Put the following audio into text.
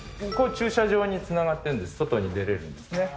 駐車場につながってるんです外に出られるんですね。